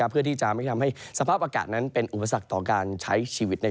เพื่อที่จะไม่ทำให้สภาพอากาศนั้นเป็นอุปสรรคต่อการใช้ชีวิต